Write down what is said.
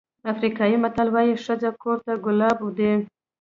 افریقایي متل وایي ښځه کور ته ګلاب دی.